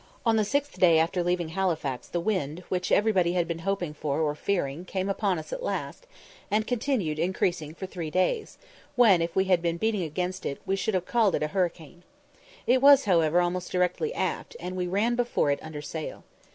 On the sixth day after leaving Halifax the wind, which everybody had been hoping for or fearing, came upon us at last, and continued increasing for three days, when, if we had been beating against it, we should have called it a hurricane. It was, however, almost directly aft, and we ran before it under sail.